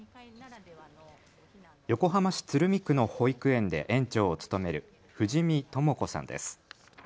横浜市鶴見区の保育園で園長を務める藤實智子さんです。